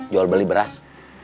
jual beli beras